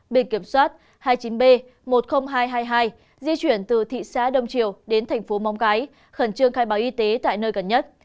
bề kiểm soát hai mươi chín b một mươi nghìn hai trăm hai mươi hai di chuyển từ thị xã đông triều đến thành phố móng cái khẩn trương khai báo y tế tại nơi gần nhất